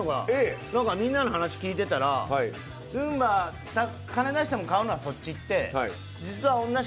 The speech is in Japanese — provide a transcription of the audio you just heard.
何かみんなの話聞いてたらルンバ金出しても買うのはそっちいって。